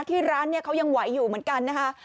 ที่ร้านเนี่ยเขายังไหวอยู่เหมือนกันนะคะ